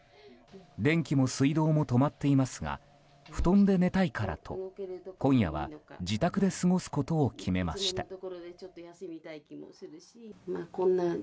電気も水道も止まっていますが布団で寝たいからと今夜は自宅で過ごすことを決めました。